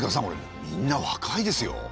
これみんな若いですよ。